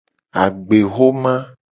Agbexoma.